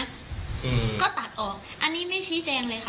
อืมก็ตัดออกอันนี้ไม่ชี้แจงเลยค่ะ